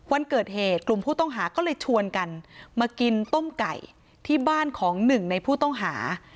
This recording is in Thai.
วันเกิดเหตุกลุ่มผู้ต้องหาก็เลยชวนกันมากินต้มไก่ที่บ้านของหนึ่งในผู้ต้องหา